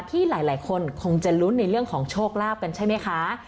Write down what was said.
ที่หลายคนคงจะลุ้นในเรื่องของโชคลาภกันใช่ไหมคะ